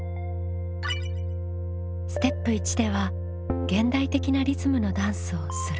ステップ１では現代的なリズムのダンスを「する」